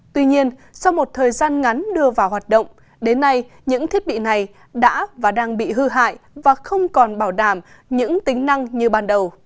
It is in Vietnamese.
tuy nhiên sau một thời gian ngắn đưa vào hoạt động đến nay những thiết bị này đã và đang bị hư hại và không còn bảo đảm những tính năng như ban đầu